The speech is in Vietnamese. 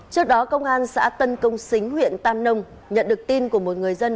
trước đó công an xã tân công xính huyện tam nông nhận được tin của một người dân